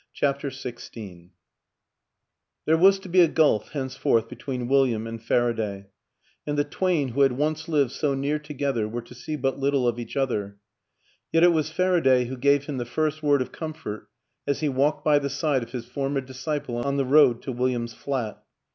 CHAPTER XVI THERE was to be a gulf henceforth be tween William and Faraday, and the twain who had once lived so near to gether were to see but little of each other; yet it was Faraday who gave him the first word of com fort as he walked by the side of his former dis ciple on the road to William's flat.